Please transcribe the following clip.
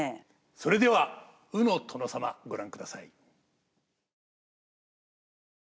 それでは「鵜の殿様」ご覧ください。